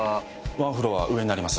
ワンフロア上になります。